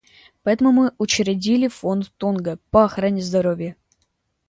Поэтому мы учредили Фонд Тонга по охране здоровья.